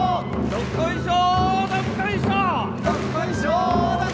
どっこいしょ！